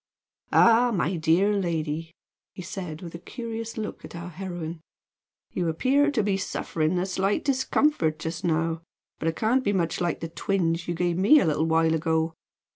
"Ah, my dear lady!" he said, with a curious look at our heroine, "you appear to be suffering a slight discomfort just now, but it can't be much like the twinge you gave me a little while ago.